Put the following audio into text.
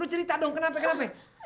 lu cerita dong kenapa kenapa ya